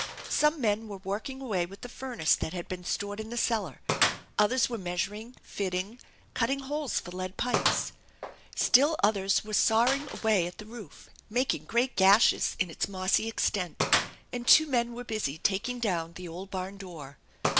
Some mem were working away with the furnace that had been stored in the cellar; others were measuring, fitting, cutting holes for lead pipes; still others were sawing away at the roof, making great gashes in its mossy extent; and two men were busj taking down the old barn door.